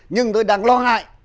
nhưng tôi đang lo ngại